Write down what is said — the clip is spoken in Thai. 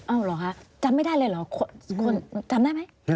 เหรอคะจำไม่ได้เลยเหรอคนจำได้ไหม